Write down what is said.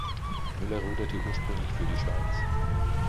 Müller ruderte ursprünglich für die Schweiz.